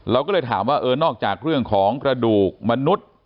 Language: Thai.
เราก็เลยถามว่าเออนอกจากเรื่องของกระดูกมนุษย์